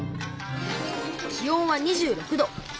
気温は２６度。